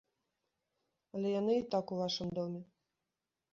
Але яны і так у вашым доме.